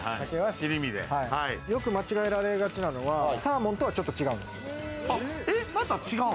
よく間違えられがちなのは、サーモンとはちょっと違うんですよ。